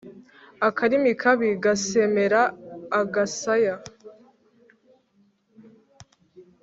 Akarimi kabi gasemera agasaya.